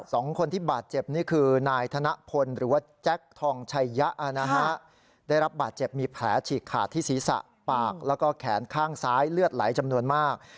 สองคนที่บาดเจ็บนี่คือนายธนพลหรือว่าแจ็คทองชัยยะนะฮะได้รับบาดเจ็บมีแผลฉีกขาดที่ศีรษะปากแล้วก็แขนข้างซ้ายเลือดไหลจำนวนมาก